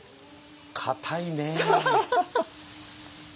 硬いね。